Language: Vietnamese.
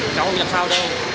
cháu không làm sao đâu